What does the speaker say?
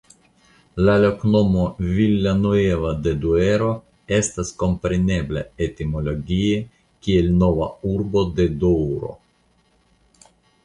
La loknomo "Villanueva de Duero" estas komprenebla etimologie kiel Nova Urbo de Doŭro.